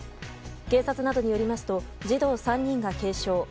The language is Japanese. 警察などによりますと児童３人が軽傷。